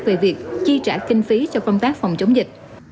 về việc chi trả kinh phí cho công tác phòng chống dịch